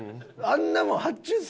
あんなもん発注